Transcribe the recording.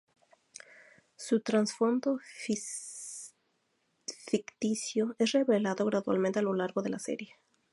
Su trasfondo ficticio es revelado gradualmente a lo largo de la serie.